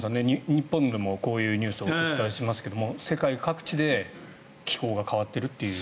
日本でもこういうニュースをお伝えしますけども世界各地で気候が変わっているという。